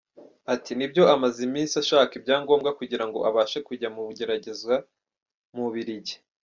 Ati "Nibyo amaze iminsi ashaka ibyangombwa kugira ngo abashe kujya mu igeragezwa mu Bubiligi.